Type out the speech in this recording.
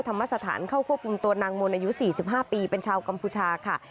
ธรรมสถานเข้าควบคุมตัวนางมนต์อายุ๔๕ปีเป็นชาวกัมพูชาค่ะ